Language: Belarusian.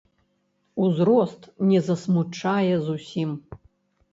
Узрост не засмучае зусім.